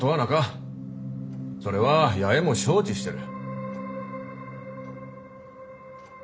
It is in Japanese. それは弥江も承知してる。